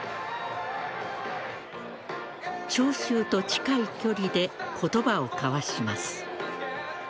聴衆と近い距離で言葉を交わします。